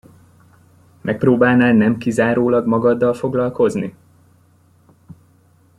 Megpróbálnál nem kizárólag magaddal foglalkozni?